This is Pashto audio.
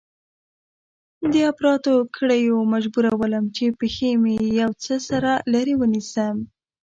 د اپراتو کړيو مجبورولم چې پښې مې يو څه سره لرې ونيسم.